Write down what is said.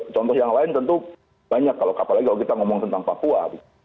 contoh yang lain tentu banyak kalau kapalnya kalau kita ngomong tentang papua